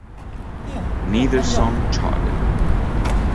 Neither song charted.